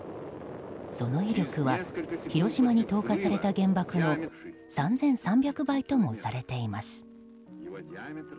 その威力は広島に投下された原爆の３３００倍ともされています。